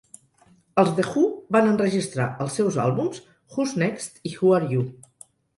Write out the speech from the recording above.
Els The Who van enregistrar els seus àlbums "Who's Next" i "Who Are You".